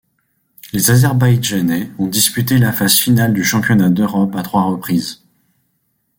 Les Azerbaïdjanais ont disputé la phase finale du Championnat d'Europe à trois reprises.